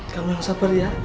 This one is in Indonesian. kamu yang sabar ya